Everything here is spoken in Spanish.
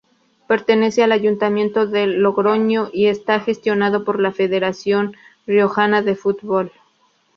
Pertenece al Ayuntamiento de Logroño y está gestionado por la Federación Riojana de Fútbol.